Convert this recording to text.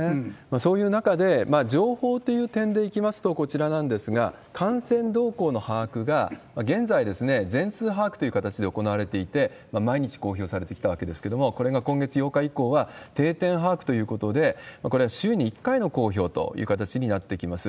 そういう中で、情報という点でいきますと、こちらなんですが、感染動向の把握が、現在、全数把握という形で行われていて、毎日公表されてきたわけですけれども、これが今月８日以降は、定点把握ということで、これは週に１回の公表という形になってきます。